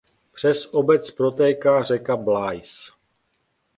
Přes obec protéká řeka řeka Blaise.